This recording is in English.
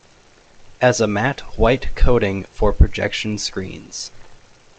As a matte white coating for projection screens.